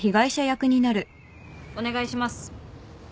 お願いします。